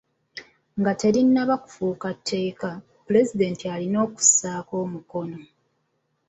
Nga terinnafuuka tteeka, pulezidenti alina okulissaako omukono.